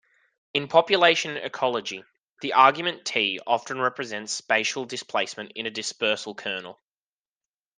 In population ecology, the argument "t" often represents spatial displacement in a dispersal kernel.